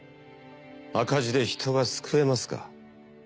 赤字で人が救えますか？